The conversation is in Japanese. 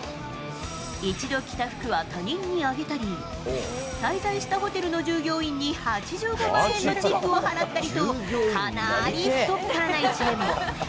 一度着た服は他人にあげたり、滞在したホテルの従業員に８５万円のチップを払ったりと、かなり太っ腹な一面も。